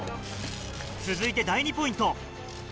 続いて第２ポイント。